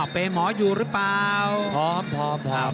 เบมออยู่หรือเปล่า